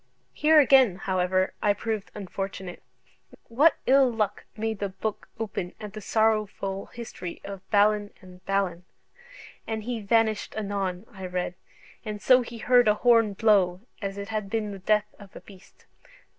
Here again, however, I proved unfortunate, what ill luck made the book open at the sorrowful history of Balin and Balan? "And he vanished anon," I read: "and so he heard an horne blow, as it had been the death of a beast.